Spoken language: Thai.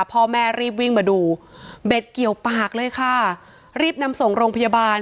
พ่อแม่รีบวิ่งมาดูเบ็ดเกี่ยวปากเลยค่ะรีบนำส่งโรงพยาบาล